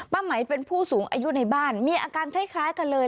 ไหมเป็นผู้สูงอายุในบ้านมีอาการคล้ายกันเลย